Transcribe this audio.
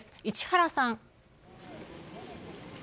市原さん。